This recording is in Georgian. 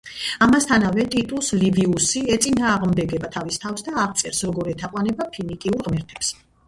ამასთანავე ტიტუს ლივიუსი ეწინააღმდეგება თავის თავს და აღწერს როგორ ეთაყვანება ფინიკიურ ღმერთებს.